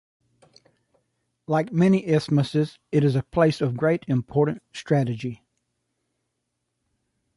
Like many isthmuses, it is a place of great important strategy.